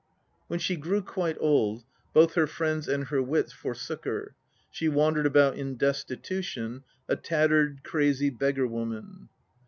When she grew quite old, both her friends and her wits forsook her. She wandered about in destitution, a tattered, crazy beggar woman.